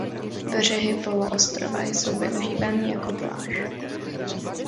Břehy poloostrova jsou využívány jako pláž.